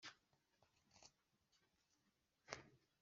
genda rwose uba ugomba kwiga